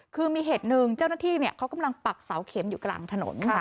คือมีเหตุหนึ่งเจ้าหน้าที่เขากำลังปักเสาเข็มอยู่กลางถนน